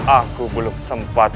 aku belum sempat